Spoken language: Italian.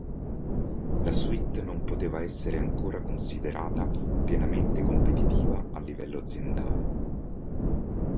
La suite non poteva essere ancora considerata pienamente competitiva a livello aziendale.